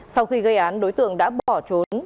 sau khi gây án đối tượng đã bỏ trốn